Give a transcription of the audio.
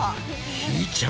ひーちゃん。